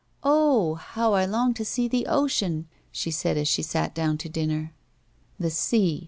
" Oh ! how I long to see the oceau," she said as she sat down to dinner. The sea